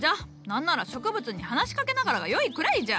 なんなら植物に話しかけながらがよいくらいじゃ！